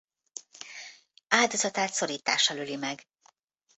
Áldozatát szorítással öli meg.